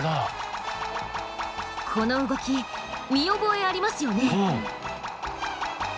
この動き見覚えありますよね？